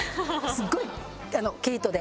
すごい毛糸で。